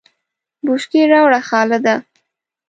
بشکی راوړه خالده !